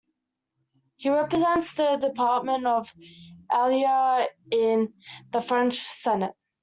He represents the department of Allier in the French Senate.